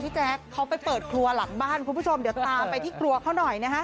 แจ๊คเขาไปเปิดครัวหลังบ้านคุณผู้ชมเดี๋ยวตามไปที่ครัวเขาหน่อยนะฮะ